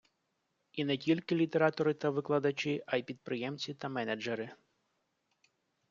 І не тільки літератори та викладачі, а й підприємці та менеджери.